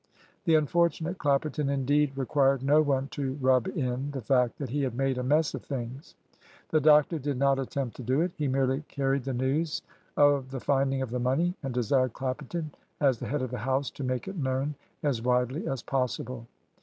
The unfortunate Clapperton, indeed, required no one to "rub in" the fact that he had made a mess of things. The doctor did not attempt to do it. He merely carried the news of the finding of the money, and desired Clapperton, as the head of the house, to make it known as widely as possible.